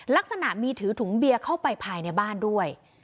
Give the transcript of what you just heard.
ลักษณะมีถือถุงเบียเข้าไปภายในบ้านด้วย